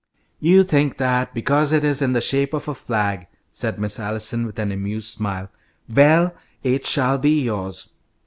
"You think that, because it is in the shape of a flag," said Miss Allison, with an amused smile. "Well, it shall be yours.